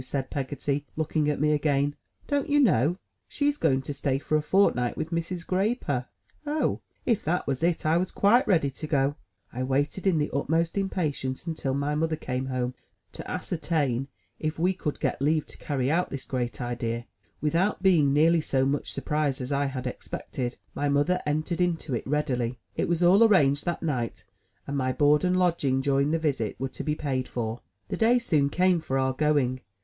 said Peggotty, looking at me again. "Don't you know? She's going to stay for a fortnight with Mrs. Grayper." Oh! If that was it, I was quite ready to go. I waited, in the utmost impatience until my mother came home, to ascertain if we could get leave to carry out this great idea. Without being nearly so much surprised as I had expected, my mother ^Arranged from David Copperfleld, 98 THE TREASURE CHEST entered into it readily. It was all arranged that night, and my board and lodging during the visit were to be paid for. The day soon came for our going.